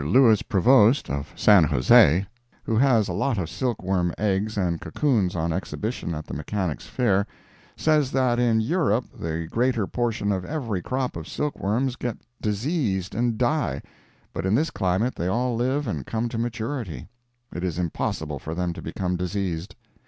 Louis Prevost, of San Jose, who has a lot of silk worm eggs and cocoons on exhibition at the Mechanics' Fair, says that in Europe the greater portion of every crop of silkworms get diseased and die, but in this climate they all live and come to maturity—it is impossible for them to become diseased.